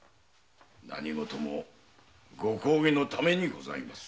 何事もご公儀のためにございます。